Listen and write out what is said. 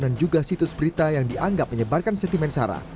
dan juga situs berita yang dianggap menyebarkan sentimen sara